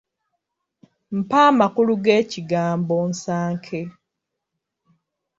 Mpa amakulu g’ekigambo nsanke